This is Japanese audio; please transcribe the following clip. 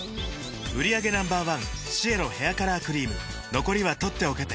売上№１シエロヘアカラークリーム残りは取っておけて